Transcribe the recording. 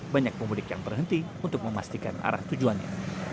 banyak pemudik yang berhenti untuk memastikan arah tujuannya